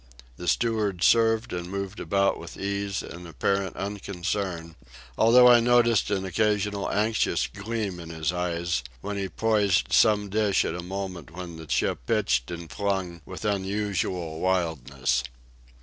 The steward served and moved about with ease and apparent unconcern, although I noticed an occasional anxious gleam in his eyes when he poised some dish at a moment when the ship pitched and flung with unusual wildness.